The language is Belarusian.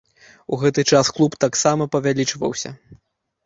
У гэты час клуб таксама павялічваўся.